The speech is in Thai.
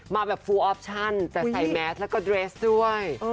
มาแบบฟูออปชั่นแต่ใส่แมสแล้วก็เดรสด้วย